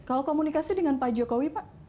kalau komunikasi dengan pak jokowi pak